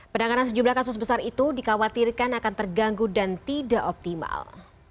penanganan sejumlah kasus besar itu dikhawatirkan akan terganggu dan tidak optimal